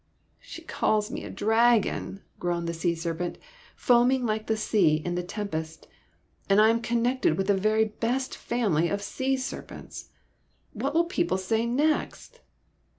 '' She calls me a dragon !" groaned the sea serpent, foaming like the sea in a tempest ;" and I am connected with the very best family of sea serpents ! What will people say next